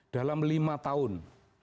dalam lima tahun